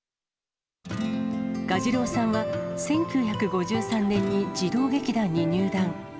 蛾次郎さんは、１９５３年に児童劇団に入団。